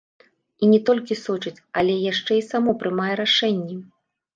І не толькі сочыць, але яшчэ і само прымае рашэнні.